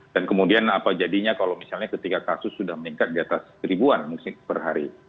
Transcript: dan kemudian apa jadinya kalau misalnya ketika kasus sudah meningkat di atas ribuan musim per hari